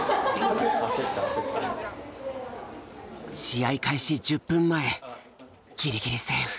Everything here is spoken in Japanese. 試合開始１０分前ギリギリセーフ。